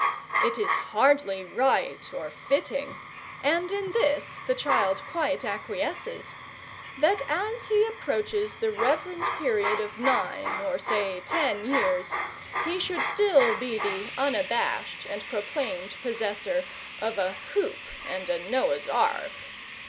It is hardly right or fitting and in this the child quite acquiesces that as he approaches the reverend period of nine or say ten years, he should still be the unabashed and proclaimed possessor of a hoop and a Noah's Ark.